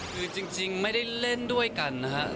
คือจริงไม่ได้เล่นด้วยกันนะครับ